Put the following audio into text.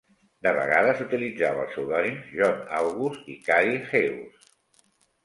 De vegades utilitzava els pseudònims "John August" i "Cady Hewes".